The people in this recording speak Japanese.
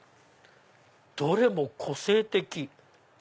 どれも個性的。